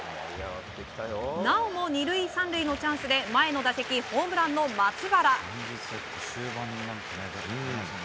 なおも２塁３塁のチャンスで前の打席ホームランの松原。